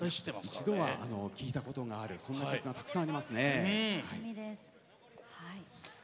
一度は聴いたことのある曲がたくさんありますよね。